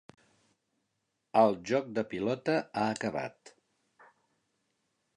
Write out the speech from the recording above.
El joc de pilota ha acabat!